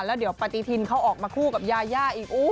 แล้วเดี๋ยวปฏิทินเขาออกมาคู่กับยายาอีก